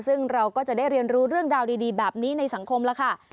ซึ่งเราก็จะได้เรียนรู้เรื่องราวดีแบบนี้ในสังคมแล้วค่ะ